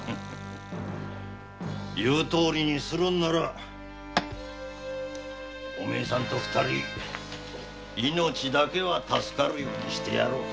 言うとおりにするならお前さんと二人命だけは助かるようにしてやろう。